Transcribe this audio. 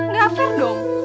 gak fair dong